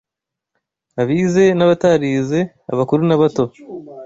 abize n’abatarize, abakuru n’abato